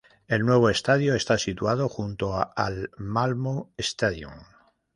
El nuevo estadio está situado junto al Malmö Stadion.